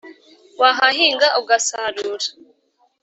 wahahinga ugasarura,